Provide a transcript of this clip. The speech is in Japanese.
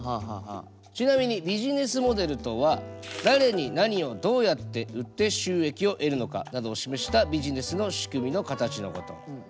ちなみにビジネスモデルとは誰に何をどうやって売って収益を得るのかなどを示したビジネスの仕組みの形のこと。